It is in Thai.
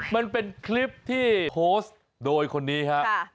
มันเป็นคลิปที่โพสต์โดยคนนี้ครับ